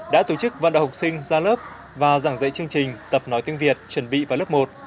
đã tổ chức vận động học sinh ra lớp và giảng dạy chương trình tập nói tiếng việt chuẩn bị vào lớp một